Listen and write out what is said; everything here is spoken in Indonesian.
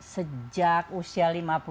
sejak usia lima puluh tujuh